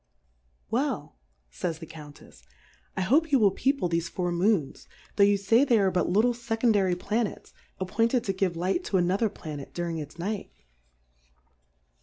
Well, fays the Countefs^ I hope you will People thefe Four Moons, tho' yoii' fay they are but little fecondary Planets, appointed to give Light to a nother Planet during its Night..